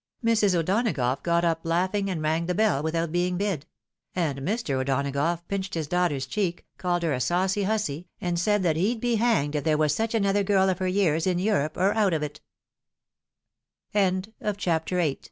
Mrs. O'Donagough got up laughing and rang the bell without being bid ; and Mr. O'Donagough pinched his daughter's cheek, called her a saucy hassy, and said that he'd be hanged if there was such another girl of her years in Europe, or out of